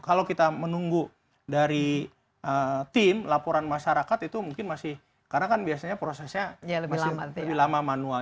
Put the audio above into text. kalau kita menunggu dari tim laporan masyarakat itu mungkin masih karena kan biasanya prosesnya masih lebih lama manual